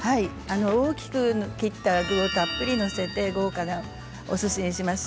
大きく切った具をたっぷりと載せて豪華なおすしにします。